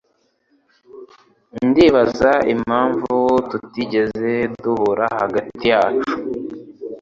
Ndibaza impamvu tutigeze duhura hagati yacu.